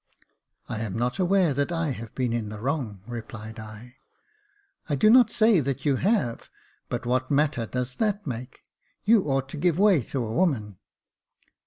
" I am not aware that I have been in the wrong," replied L " I do not say that you have ; but what matter does that make .'' You ought to give way to a woman."